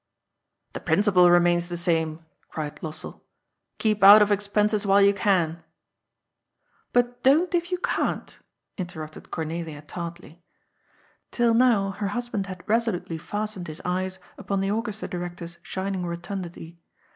"The principle remains the same," cried Lossell. " Keep out of expenses while you can." " But don't, if you can't," interrupted Cornelia tartly. Till now her husband had resolutely fastened his eyes upon the orchestra director's shining rotundity.